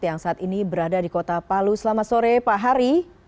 yang saat ini berada di kota palu selamat sore pak hari